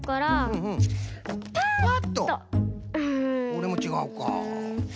これもちがうか。